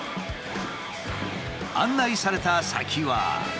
案内された先は。